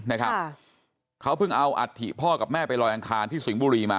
นะครับค่ะเขาเพิ่งเอาอัฐิพ่อกับแม่ไปลอยอังคารที่สิงห์บุรีมา